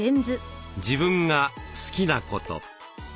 自分が「好きなこと」。